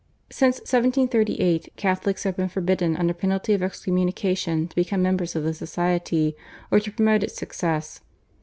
Since 1738 Catholics have been forbidden under penalty of excommunication to become members of the society or to promote its success.